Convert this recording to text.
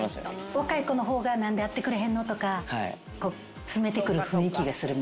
若い子の方が何で会ってくれへんのとか詰めてくる雰囲気がするみたいな？